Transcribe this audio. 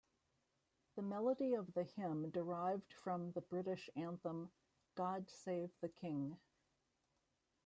The melody of the hymn derived from the British anthem "God Save the King".